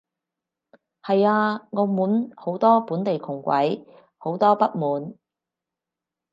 係啊，澳門好多本地窮鬼，好多不滿